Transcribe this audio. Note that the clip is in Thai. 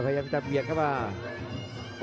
พยายามจะเบียดครับ